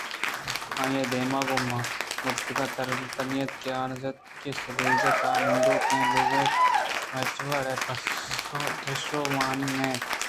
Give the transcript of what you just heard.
آئی ءَدیم گوں مردک ءَ ترّینت کہ آ بزانت کہ آ سلیج ءِ تہا نندوک بوتگ ءُہچ وڑا پشومانی نہ اِنت